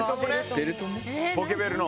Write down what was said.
ポケベルの。